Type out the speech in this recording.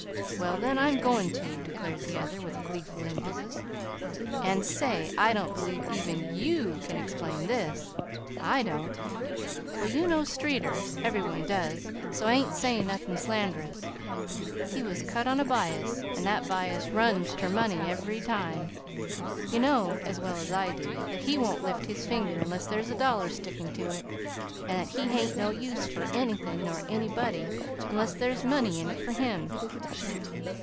"Well, then, I'm goin' to," declared the other, with gleeful emphasis. "An', say, I don't believe even YOU can explain this I don't! Well, you know Streeter ev'ry one does, so I ain't sayin' nothin' sland'rous. He was cut on a bias, an' that bias runs ter money every time. You know as well as I do that he won't lift his finger unless there's a dollar stickin' to it, an' that he hain't no use fur anythin' nor anybody unless there's money in it for him.